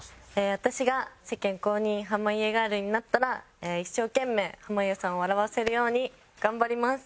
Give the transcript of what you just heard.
私が世間公認濱家ガールになったら一生懸命濱家さんを笑わせるように頑張ります。